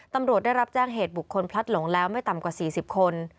ตำรวจได้รับแจ้งเหตุบุคคลพลัดหลงแล้วไม่ต่ำกว่า๔๐คน